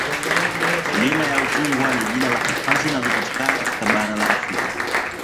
Milima ya Udzungwa ni jina la hifadhi inayopatikana katika bara la Afrika